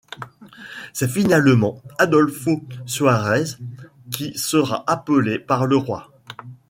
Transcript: C'est finalement Adolfo Suárez qui sera appelé par le roi.